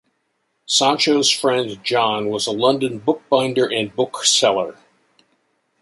Sancho's friend, John was a London bookbinder and bookseller.